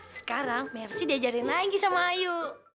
sekarang mercy diajarin lagi sama ayu